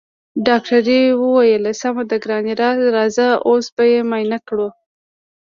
ډاکټرې وويل سمه ده ګرانې راځه اوس به يې معاينه کړو.